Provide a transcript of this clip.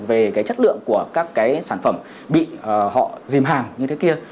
về chất lượng của các sản phẩm bị họ dìm hàng như thế kia